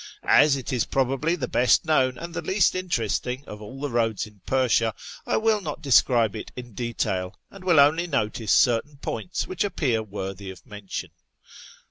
As it is probably the best known and the least interesting of all the roads in Persia, I will not describe it in detail, and will only notice certain points which appear worthy of mention.